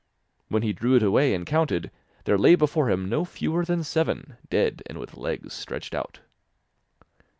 When he drew it away and counted, there lay before him no fewer than seven, dead and with legs stretched out.